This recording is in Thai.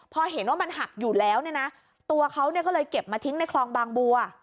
พอเห็นว่ามันหักอยู่แล้วเนี่ยนะตัวเขาเนี่ยก็เลยเก็บมาทิ้งในคลองบางบัว